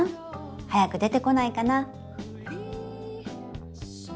はやく出てこないかな」。